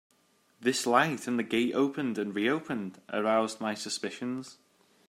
This light and the gate opened and reopened aroused my suspicions.